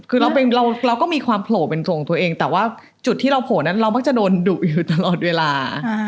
คือเราก็มีความโผล่เป็นตัวของตัวเองแต่ว่าจุดที่เราโผล่นั้นเรามักจะโดนดุอยู่ตลอดเวลา